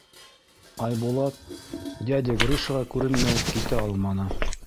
Айбулат дядя Гришаға күренмәй китә алманы.